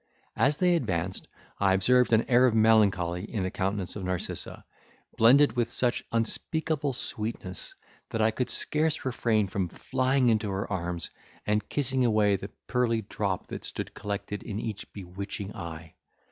As they advanced, I observed an air of melancholy in the countenance of Narcissa, blended with such unspeakable sweetness, that I could scarce refrain from flying into her arms, and kissing away the pearly drop that stood collected in each bewitching eye.